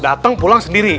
dateng pulang sendiri